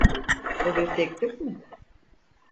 Bu bir teklif mi?